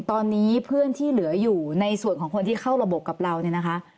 ตอนนี้เพื่อนที่เหลืออยู่ในส่วนของคนที่เข้าระบบกับเราเนี่ยนะคะ